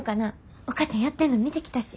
お母ちゃんやってんの見てきたし。